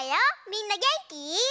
みんなげんき？